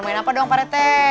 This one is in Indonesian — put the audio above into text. main apa dong pak rete